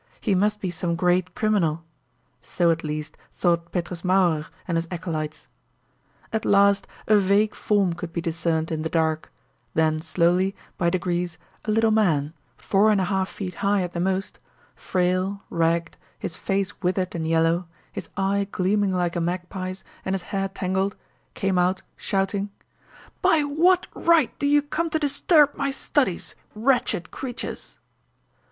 He must be some great criminal! So at least thought Petrus Mauerer and his acolytes. At last a vague form could be discerned in the dark, then slowly, by degrees, a little man, four and a half feet high at the most, frail, ragged, his face withered and yellow, his eye gleaming like a magpie's, and his hair tangled, came out shouting: "By what right do you come to disturb my studies, wretched creatures?"